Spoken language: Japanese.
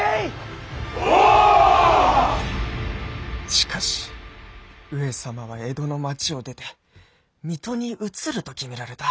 しかし上様は江戸の町を出て水戸に移ると決められた。